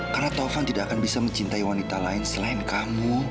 karena taufan tidak akan bisa mencintai wanita lain selain kamu